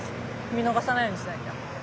見逃さないようにしなきゃ。